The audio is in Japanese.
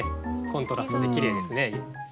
コントラストできれいですね。